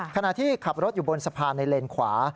ขณะที่ขับรถอยู่บนสะพานในเลนขวา